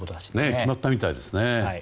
決まったみたいですね。